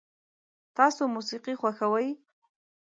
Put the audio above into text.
تاسو موسیقي خوښوئ؟